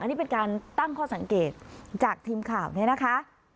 อันนี้เป็นการตั้งข้อสังเกตจากทีมข่าวเนี่ยนะคะ